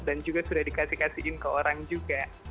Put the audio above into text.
dan juga sudah dikasih kasihin ke orang juga